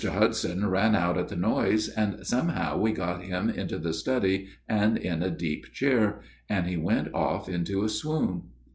Hudson ran out at the noise, and somehow we got him into the study and in a deep chair, and he went off into a swoon."